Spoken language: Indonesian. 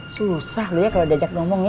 susah loh ya kalau diajak ngomong ya